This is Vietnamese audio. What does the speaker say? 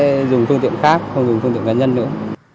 sẽ dùng phương tiện khác không dùng phương tiện cá nhân nữa